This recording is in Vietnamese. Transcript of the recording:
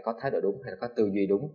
có thái độ đúng hay có tư duy đúng